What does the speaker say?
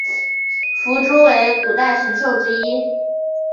夫诸为古代神兽之一。